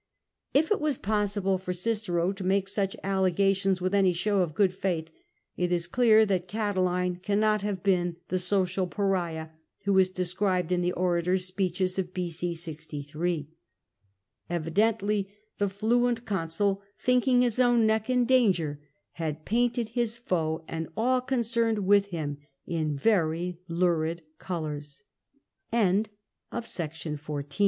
If it was possible for Cicero to make such allegations with any show of good faith, it is clear that Catiline cannot have been the social pariah who is described in the orator's speeches of B.a 63. Evidently the fluent consul, thinking his own neck in danger, had painted his foe and all concerned with him in very lurid colours. ^ See Ad Atiicwniy i. 2 and i 1. CEASSUS AND CAT